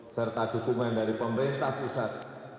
serta dukungan dari pemerintah pusat